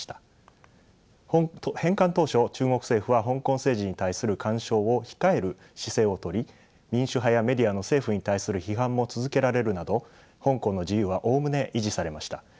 返還当初中国政府は香港政治に対する干渉を控える姿勢をとり民主派やメディアの政府に対する批判も続けられるなど香港の自由はおおむね維持されました。